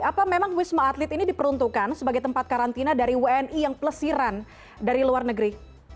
apa memang wisma atlet ini diperuntukkan sebagai tempat karantina dari wni yang pelesiran dari luar negeri